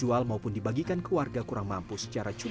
walaupun rakyat yang tahuwing ya tidak mau ribut los hardly rambut